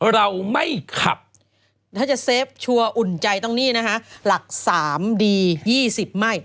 เราไม่ขับถ้าจะเซฟชัวร์อุ่นใจต้องนี่นะคะหลัก๓ดี๒๐ไม่